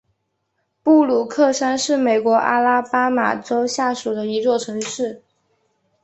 布鲁克山是美国阿拉巴马州下属的一座城市。